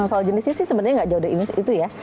kalau jenisnya sih sebenarnya nggak jauh dari itu ya